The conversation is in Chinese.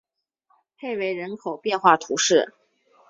佩维人口变化图示